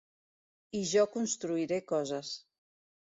I jo construiré coses.